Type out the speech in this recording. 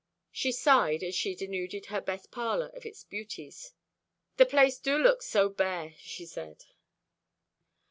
She sighed as she denuded her best parlour of its beauties. "The place dew look so bare," she said.